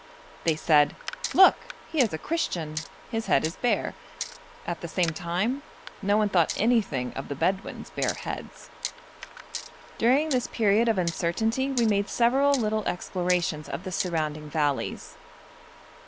They said, 'Look! he is a Christian, his head is bare.' At the same time no one thought anything of the Bedouin's bare heads. During this period of uncertainty we made several little explorations of the surrounding valleys.